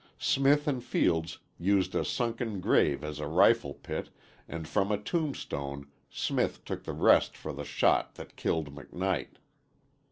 Smith and Fields used a sunken grave as a rifle pit and from a tombstone Smith took the rest for the shot that killed McKnight.